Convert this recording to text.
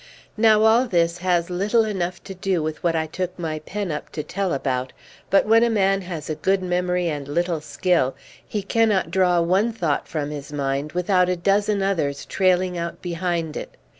Now all this has little enough to do with what I took my pen up to tell about; but when a man has a good memory and little skill, he cannot draw one thought from his mind without a dozen others trailing out behind it.